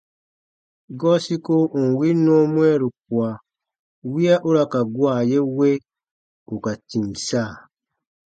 Gɔɔ siko ù n win nɔɔ mwɛɛru kua wiya u ra ka gua ye we ù ka tìm sa.